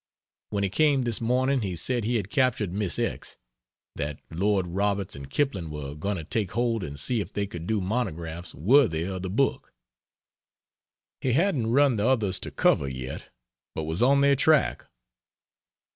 When he came this morning he said he had captured Miss X; that Lord Roberts and Kipling were going to take hold and see if they could do monographs worthy of the book. He hadn't run the others to cover yet, but was on their track.